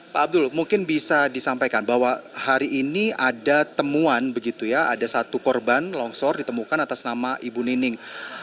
pak abdul mungkin bisa disampaikan bahwa hari ini ada temuan begitu ya ada satu korban longsor ditemukan atas nama ibu nining